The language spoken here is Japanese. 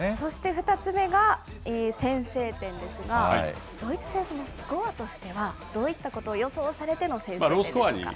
そして２つ目が、先制点ですが、ドイツ戦、スコアとしてはどういったことを予想されての先制点ですか。